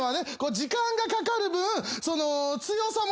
時間がかかる分その強さもね